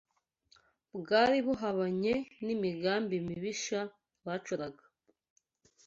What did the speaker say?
bwari buhabanye n’imigambi mibisha bacuraga